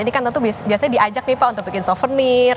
biasanya direzeki pak untuk bikin souvenir